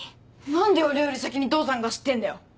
何で俺より先に父さんが知ってんだよ？